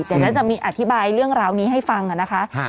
เดี๋ยวน่าจะมีอธิบายเรื่องราวนี้ให้ฟังนะคะ